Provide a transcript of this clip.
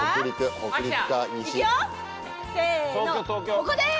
ここです！